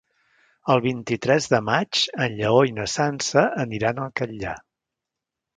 El vint-i-tres de maig en Lleó i na Sança aniran al Catllar.